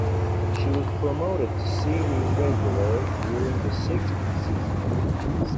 She was promoted to series regular during the sixth season.